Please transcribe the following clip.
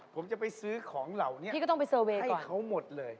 ผมจะไปซื้อของเหล่าให้เขาหมดเลย